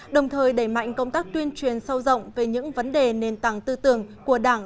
đồng thời đẩy mạnh công tác tuyên truyền sâu rộng về những vấn đề nền tảng tư tưởng của đảng